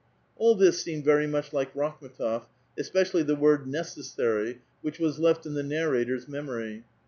All this seemed very much like Rakhm^tof, especially the word " necessary," which was left in the narrator's memory.